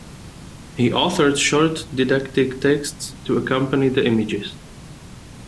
He authored short didactic texts to accompany the images.